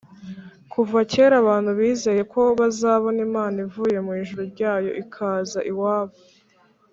kuva kera abantu bizeye ko bazabona imana ivuye mu ijuru ryayo, ikaza iwabo,